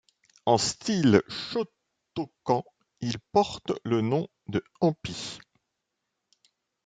En style shotokan, il porte le nom de Empi.